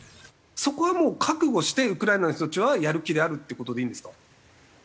そこはもう覚悟してウクライナの人たちはやる気であるっていう事でいいんですか？